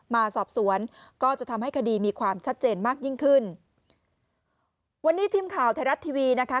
มาสอบสวนก็จะทำให้คดีมีความชัดเจนมากยิ่งขึ้นวันนี้ทีมข่าวไทยรัฐทีวีนะคะ